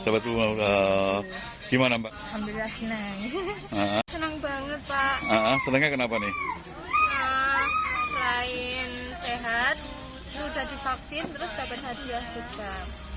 seperti uang gimana pak seneng banget pak selain sehat sudah divaksin terus dapat hadiah juga